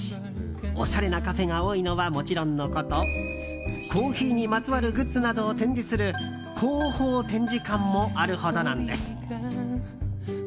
おしゃれなカフェが多いのはもちろんのことコーヒーにまつわるグッズなどを展示する広報展示館もあるほどなんです。